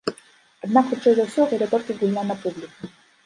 Аднак, хутчэй за ўсё, гэта толькі гульня на публіку.